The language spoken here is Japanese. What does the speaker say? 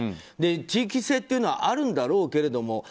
地域性というのはあるんだろうけども